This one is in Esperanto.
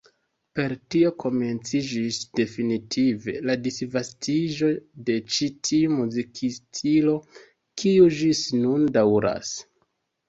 Per tio komenciĝis definitive la disvastiĝo de ĉi tiu muzikstilo, kiu ĝis nun daŭras.